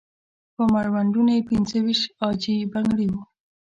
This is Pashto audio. په مړوندونو یې پنځه ويشت عاجي بنګړي وو.